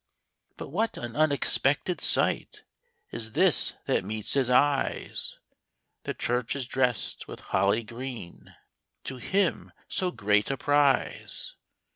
But what an unexpected sight Is this that meets his eyes ! The church is dressed with holly green, To him so great a prize.